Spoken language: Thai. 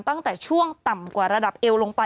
ตั้งแต่ช่วงต่ำกว่าระดับเอวลงไป